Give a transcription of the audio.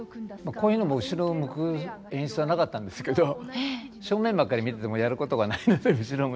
こういうのも後ろを向く演出はなかったんですけど正面ばっかり見ててもやることがないので後ろ向いて。